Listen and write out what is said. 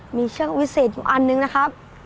มีเชือกวิเศษอยู่อันนึงนะครับ